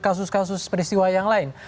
kasus kasus peristiwa yang lain